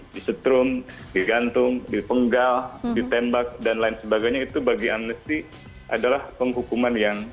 disetrum digantung dipenggal ditembak dan lain sebagainya itu bagi amnesty adalah penghukuman yang